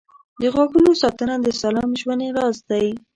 • د غاښونو ساتنه د سالم ژوند راز دی.